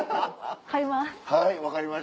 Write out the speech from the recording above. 買います。